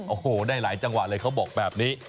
โอ้โหได้หลายจังหวะเลยเขาบอกแบบนี้